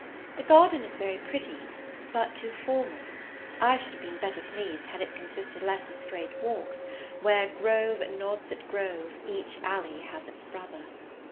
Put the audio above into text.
The garden is very pretty, but too formal; I should have been better pleased, had it consisted less of straight walks, where Grove nods at grove, each alley has its brother.